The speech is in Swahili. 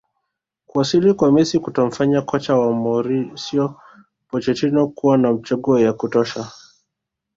Kuwasili kwa Messi kutamfanya kocha wa Mauricio Pochettino kuwa na machaguo ya kutosha